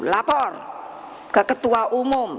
lapor ke ketua umum